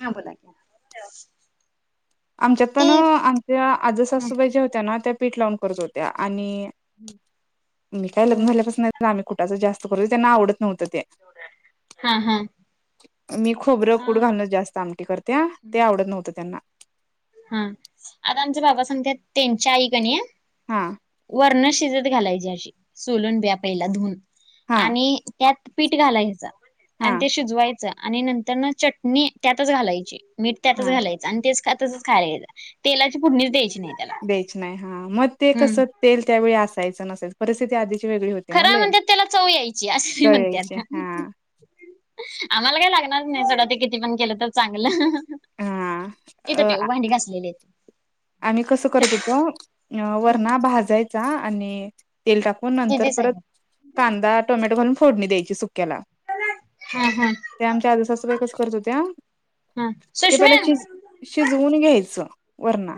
ह बोला आमच्यात पण आमच्या आजा सासूबाई ज्या होत्या ना त्या पीठ लावून करत होत्या आणि मी काय हा लग्न झाल्यापासून आम्ही कुठच जास्त करत त्यांना आवडत नव्हतं ते हा हा मी खोबरं कूट घालूनच जास्त आमटी करत्या ते आवडत नव्हतं त्यांना हा आता आमच बाबा सांगत्यात त्याची आई कणी हा वर्ण शिजत घालायची अशी सोलून बि पहिला धुऊन हा आणि त्यात पीठ घालायचं हा आणि ते शिजवायचं आणि नंतर न चटणी त्यातच घालायची. मीठ त्यातच हा घालायचं आणि तेच तसच खायला घ्यायच तेलाची फोडणीच द्यायची नाही. त्याला द्यायच नाही हा मग ते कस हम् तेल त्यावेळी असायचं नसायचं परिस्थिती आधीची वेगळी होती ना खर लय म्हणतात त्याला चव यायची अशी म जळायची म्हणत्यात. हा आम्हाला काय लागणार नाही सोडा ते किती पण केलं तर चांगलं. हा इथं ठेव अ भांडी घासलेलीे हैत. आम्ही कसं करत होतो अ वरणा भाजायचा आणि तेल टाकून. मग नंतर दिदीच परत आहे कांदा, टोमॅटो घालून फोडणी द्यायची सुक्याला. हा हा ते आमच्या आजीसासूबाई कस करत होत्या हा ते सुषमे पहिला शिज शिजवून घ्यायचं वरणा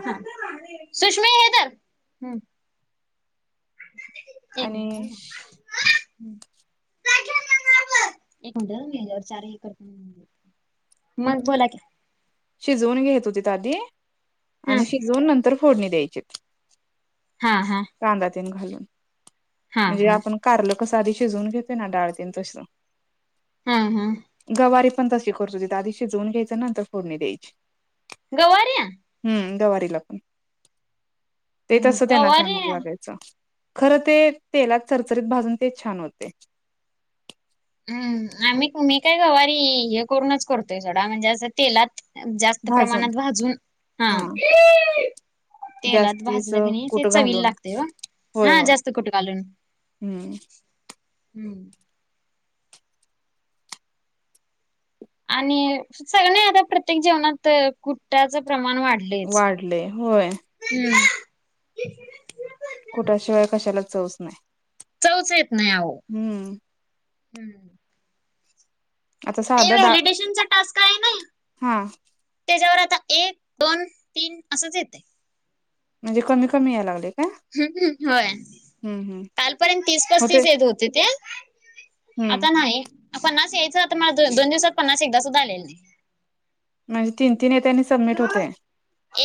सुष्म हेे धर आणि [unintelligible] [inaudible] एक म्हंटल म चार एकरप मग बोला की शिजवून घेत होती आधी हा आणि शिजवून नंतर फोडणी द्यायचीत. हा हा कांदा तेन घालून हा म्हणजे हा आपण कारल कसं आधी शिजवून घेतोय ना डाळतेन तस हम् हम् गवारी पण तशी करत होती द आधी शिजवून घ्यायचं नंतर फोडणी द्यायची. गवारी हम्म गवारीला पण ते तसं त्यांना चांगलं गवारीया लागायचं. खरं ते तेलात चरचरीत भाजून ते छान होतय. हम्म आम्ही मी काय गवारी हे करूनच करतोय सोडा म्हणजे असं तेलात जास्त भाजून प्रमाणात भाजून हा तेलात जास्तीच भाजलं की नाही ते कुट चवीला घालून लागते व होय हा होय जास्त कुट घालून. हम्म हम्म आणि सगळे आता प्रत्येक जेवणात कुट टाच प्रमाण वाढलेच वाढलय होय हम् कुटा शिवाय कशाला चौच नाही. चवचं येत नाही अहो हम्म हम्म आता ते साधं डाळ व्हॅलिडेशनचा टास्क आहे नाही हा त्याच्यावर आता एक, दोन, तीन असंच येतंय म्हणजे कमी कमी यायलागलय काय? हम्म होय हम्म हम्म कालपर्यंत होते तीस-पस्तीस येत होतीत ते हम्म आता नाही पन्नास यायचं आता मला दोन दिवसात पन्नास एकदा सुद्धा आलेला नाही म्हणजे तीन-तीन येतय आणि सबमिट होतय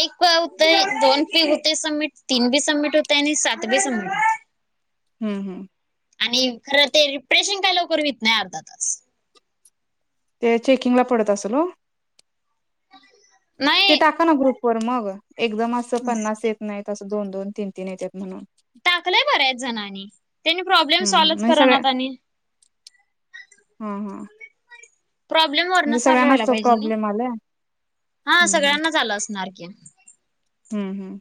एक प होतय दोन बी होतय सबमिट तीन बी सबमिट होतय आणि सात बी सबमिट हुतंय हम्म हम् आणि खरं ते रिफ्रेशिंग काय लवकर होत नाही अर्धा तास ते चेकिंग ला पडत असल ओ ते नाही. टाका ना ग्रुप वर मग एकदम असं पन्नास येत नाहीत असं दोन- दोन तीन- तीन येत्यात म्हणून टाकलंय बऱ्याच जणांनी त्यांनी प्रॉब्लेम सॉल्वच म्हणजे सगळ्या करणात आणि हम्म हम्म प्रॉब्लेम म्हणजे वरनं सॉल्व सगळ्यांनाच व्हायला तो पाहिजे नाही प्रॉब्लेम आलाय हा हम्म हम्म सगळ्यांनाचं आलं असणार की. हम्म हम्म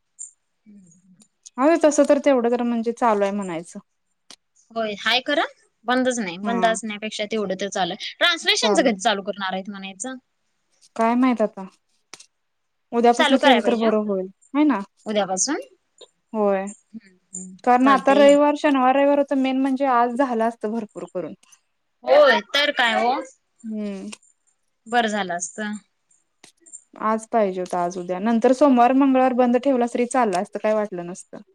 ह [unintelligible] अ तसं तर तेवढं तर म्हणजे चालू आहे म्हणायचं होय हाय खरं बंदच नाही बंद हा असण्यापेक्षा तेवढं तर चालू आहे ट्रान्सलेशनच कधी चालू कर णार आहेत म्हणायचं. काय माहित आता? चालू उद्यापासून करायला केेल तर पाहिजे बरं होईल हय ना. उद्यापासून होय कारण आता चालतय रविवार शनवार रविवार होता मेन म्हणजे आज झाला असतं भरपूर करून. होय तर काय ओ हम्म. बरं झालं असत. आज पाहिजे होतं आज उद्या नंतर सोमवार मंगळवार बंद ठेवल असतं तरी चाललं असत काय वाटलं नसतं. [inaudible]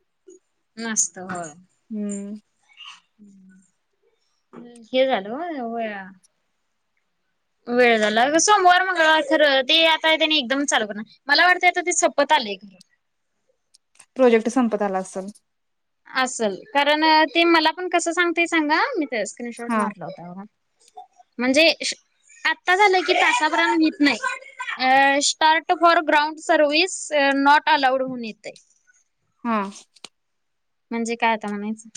नसतं होय. हम्म. हे झाल होय होय वेळ झाला अगं सोमवार मंगळवार खरं ते आता त्यानी एकदम चालू करणार मला वाटतंय आता ते सपत आलंय खरं प्रोजेक्ट संपत आला असल. असल कारण ते मला पण कसं सांगतय सांगा मी ते स्क्रीनशॉट हा मारला होता बघा म्हणजे आता झालं की तासा भरानं हुईत नाही. Uh start for ground service not allowed म्हणून येतय. हा. म्हणजे काय आता म्हणायचं?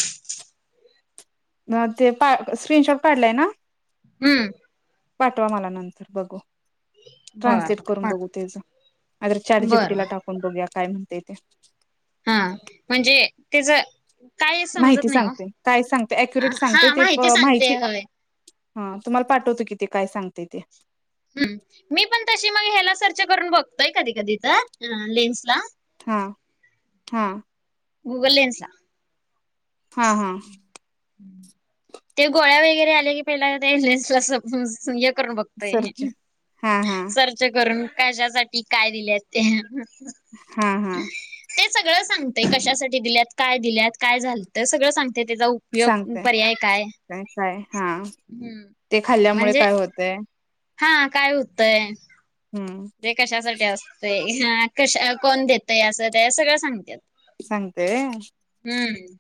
हा ते स्क्रीनशॉट काढलाय ना. हम्म. पाठवा मला नंतर, बघू. बर ट्रान्सलेट करून बर. बघू तेचं, नाहीतर चाट जी पी बर टी ला टाकू. पण बघूया काय म्हणतंय ते. हा, म्हणजे तेजं माहिती सांगते, काय सांगते अक्युरेट सांगते हा ते प सांगते माहिती होय. हा, तुम्हाला पाठवतो कि ते काय सांगतंय ते. हम्म, मी पण तशी मग ह्याला सर्च करून बघतोय कधी कधी तर, अह लेन्स ला. हां, हां. गुगल लेन्स ला. हा, हा. [inaudible] ते गोळ्या वगैरे आले की पहिला ते [unintelligible] हे करून बघ. सरच व्हय, हा हा सर्च करून कशासाठी काय दिल्यात त्या. हम्म हम्म. ते सगळं सांगतंय, कशासाठी दिल्यात, काय दिल्यात, काय झालतं सगळं सांगते त्याचा उ सांगतंय, [unintelligible] हा, हम्म ते खाल्ल्यामुळे म्हणजे काय होतंय? हा, काय हुतंय? हम्म. ते कशासाठी असतंय, हा कशा कोण देतंय असं त्या सगळं सांगत्यात. सांगतंय व्हय. हम्म.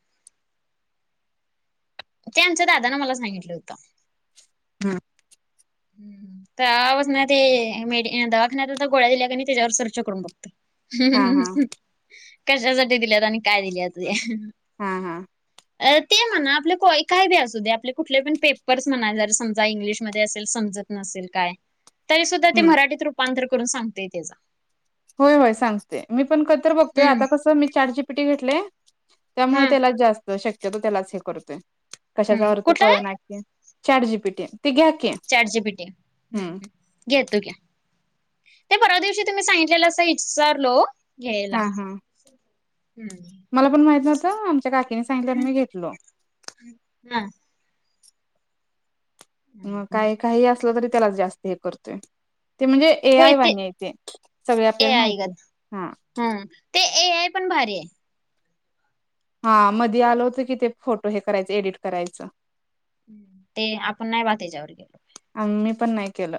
ते आमच्या दादानं मला सांगितलं होतं. हम्म. तवापासनं ते मेडी दवाखान्यात आता गोळ्या दिल्या कणी त्याच्यावर सर्च करून हा हा बघते. कशासाठी दिल्यात आणि काय दिल्यात ते. हा हा. अ ते म्हणा आपले कोय काय बी असू दे आपले कुठले पण पेपर्स म्हणा जर समजा इंग्लिशमध्ये अस तील समजत नसेल काय, तरी सुद्धा ते हम्म मराठीत रूपांतर करून सांगतंय तेचं. होय होय सांगते, मी पण कधीतर बघतोय हम्म आता कसं मी चाट जी पी टी घेतलंय. त्यामुळे हम्म त्याला जास्त शक्यतो त्यालाच हे करतोय, कशाचा हम्म अर्थ कुठला आहे कळना [unintelligible] चाट जी पी टी ते घ्या की. चाट जी पी टी, हम्म हम्म. घेतो घ्या, ते परवा दिवशी तुम्ही सांगितलेलं असं इसारलो. हा हा, हम्म मला पण माहित नव्हतं, आमच्या काकीने सांगितलं आणि मी घेतलो. हा. हम्म, मग हम्म. काही काही असलं तरी त्याला जास्त हे करतोय, ते म्हणजे ए आय वानी हाय ते इथे, सगळे ए आपल्याला आय माहिती, गत हा. हम्म, ते ए आय पण भारी आहे. हा, मध्ये आलं होतं की ते फोटो हे करायचं एडिट करायचं. ते आपण नाही बा तेच्यावर गेलो. उम मी पण नाही केलं.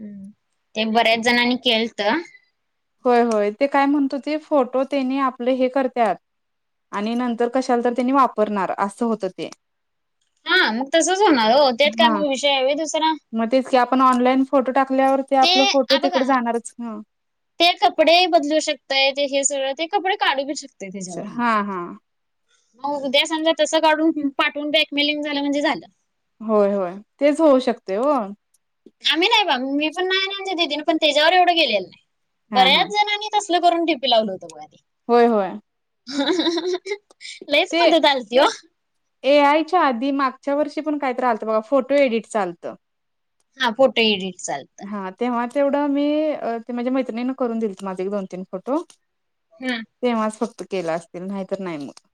हम्म, ते बऱ्याच जणांनी केलतं. होय होय, ते काय म्हणत होते फोटो त्यांनी आपले हे करत्यात. आणि नंतर कशाला तरी त्यांनी वापरणार असं होतं ते. हा मग तसंच होणार ओ, त्यात काय हा मग विषय हाय व्हय दुसरा. मग तेच की आपण ऑनलाईन फोटो टाकल्यावर ते आपला फोटो आ तिकड बघा जाणारच ना. ते कपडे बदलू शकतय ते हे सगळं ते कपडे काढू बी शकतय त्याच्यावर न हा हा मग उद्या समजा तसं काढून पाठून एकमिलियन झालं म्हणजे झालं. होय, होय तेच होऊ शकते हो. आम्ही नाही बा मी पण नाही आमच्या दिदी पण त्याच्यावर एवढं गेलेलं नाही हा हा बऱ्याच जणांनी तसलं करून टीपी लावलं होतं बघाते. होय होय लईच ते बघत आलती हो. ए आयच्या आधी मागच्या वर्षी पण कायत राहलतं बघा फोटो एडिट चालतं. हा फोटो एडिट चा हा तेव्हा तेवढं मी ते माझ्या मैत्रिणी करून दिल माझे एक, दोन, तीन फोटो हम्म ‌ तेव्हाच फक्त केला असतील नाहीतर नाही मग.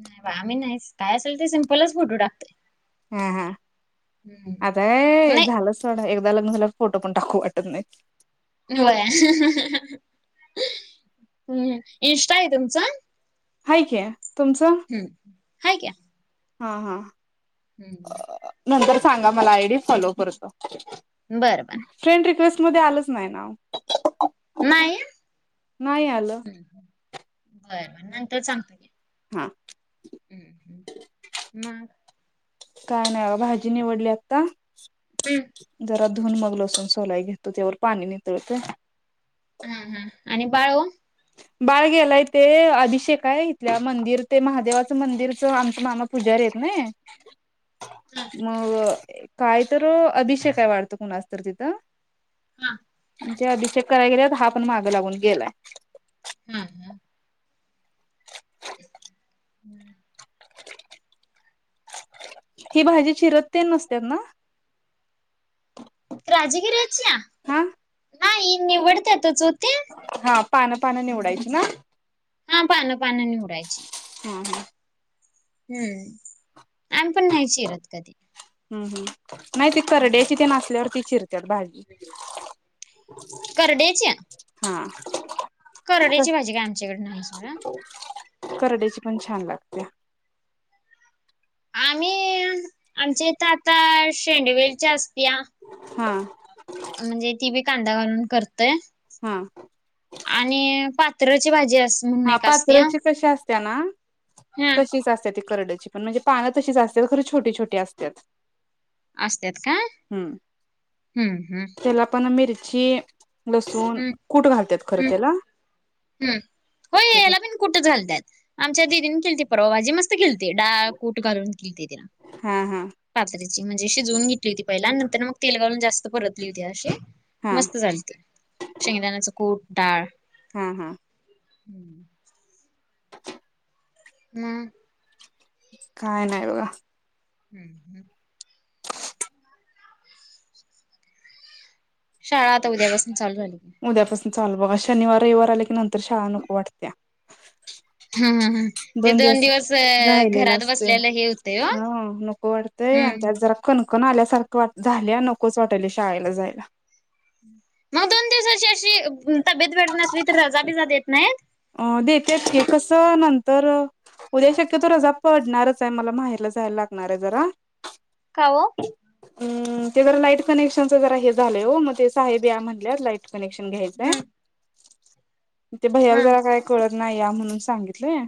नाही बा आम्ही नाही काय असेल ते सिम्पलच फोटू टाकतोय. हा हा हम्म आताय नाही झालं एकदा लग्न झाल्यावर फोटो पण टाकवू वाटत नाही. होय, हम्म, इंस्टा आहे तुमचा? हाय की, तुमचा? हम्म, आहे क्या हा हा. हम्म. नंतर सांगा मला आय डी फॉलो करतो. बरं बर. फ्रेंड रिक्वेस्ट मध्ये आलंच नाहीना हो. नाही, बर बर नंतर सांगते. हा. हम्म, हम्म मग. काय नाही बाबा भाजी निवडली आता. हम्म. जरा धुवुन मग लसुन सोलाय घेतो तोवर पाणी नितळतय. हम्म, हम्म आणि बाळ ओ? बाळ गेलाय तेे अभिषेक आहे इथल्या मंदिर ते महादेवाचं मंदिरच आमचं माना पूजारी आहेेत हा नाही मग काय तर अभिषेयक हाय वाटतं कुणास तर तिथं. हा. ते अभिषेक कराय गेलेत हा पण मागं लागून गेलाय. हा का. [unintelligible] ही भाजी चिरत तेंन नसत्यात ना? राजगिऱ्याच्या हा नाही निवडत्यातच हो त्या. हा पानं, पानं निवडायची ना? हा पान, पानं निवडायची. हा हा. हम्म, आम्ही पण नाही चिरत कधी. हम्म, हम्म नाही ती करड्याची ते नासल्यावर ती चिरत्यात भाजी. करड्याच्या हा. करड्याची भाजी काय आमच्याकडे नाही सोडा. करड्याची पण छान लागत्या. आम्ही आमच्या इथ आता शेंडवेलची असत्या. हा. म्हणजे ती बी कांदा घालून करतय. हा आणि पात्रची भाजी अस म्हणून हा एक असत्या पात्रची कशी असत्या ना. हा तशीच असत्या ती करड्याची. पण म्हणजे पानं तशीच असत्यात खरं छोटी छोटी असत्यात. असत्यात काय हम्म हम्म. त्याला पण मिरची, लसूण, हम्म कूट घालत्यात खरं हम्म तेला. हम्म होय. तेच आहे. कुठंच घालत्यात. आमच्या दिदीन केलती परवा भाजी मस्त केलती. डाळ, कुट घालून केेलती. हा हा. पात्रीची म्हणजे शिजवून घेतली होती पहिला. आणि नंतर मग तेल घालून जास्त परतली होती अशी. हा मस्त झालती. शेंगदाण्याच कूट, डाळ. हा हा. [inaudible] मग. काय नाही बघा. हम्म हम्म. शाळा आता उद्यापासून चालू झाली. उद्यापासून चालू बघा. शनिवार, रविवार आले की नंतर शाळा नको वाटत्या. ह ह ह ते दोन दिवस राहिलेला घरात असतोय. बसल्याला हे होतंय ओ हा नको वाट तय. हम्म त्यात जरा कणकण आल्यासारखं वाट झाल्या नकोच वाटायल शाळेला जायला. मग दोन दिवसाची अशी तब्येत बरी नसली तर रजा बिजा देत नाहीत? अ देेत्यात की कसं नंतर उद्या शक्यतो रजा पडणारच आहे मला. माहेरला जायला लागणार आहे जरा. काय वो? अं ते जरा लाईट कनेक्शनच जरा हे झालंय हो. मग ते साहेब या म्हणल्यात लाईट कनेक्शन घ्यायचंय. हम्म ते भैयाला हा जरा काय कळत नाही या म्हणून सांगितलंय.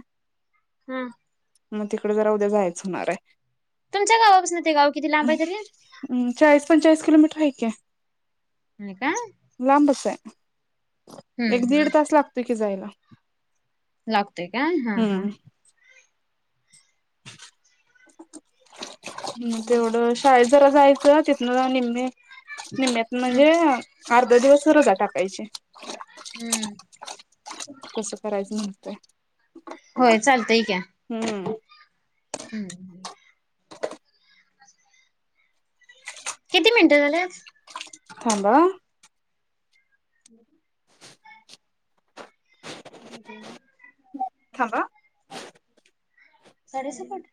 हम. मग तिकडे जरा उद्या जायचं होणार आहे. तुमच्या गावापासून ते गाव किती लांब हाय तरी? म चाळीस पंचेचाळीस किलोमीटर हाय की. हो काय. लांबच हाय. एक हम्म हम्म दीड तास लागतोय कि जायला. लागतोय का हा हा. मग हम, तेवढं शाळेत जरा जायचं. तिथन जाऊ निम्मे निम्म्यात म्हणजे अर्ध दिवस रजा टाकायची. हम्म कसं करायचं नसतय. होय चालतंय हम्म. हम्. किती मिनिटं झालेत? थांबा हं. ब अ ते थांबा. साडिसकट?